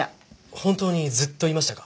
本当にずっといましたか？